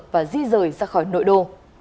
và di rời ra khỏi nội đô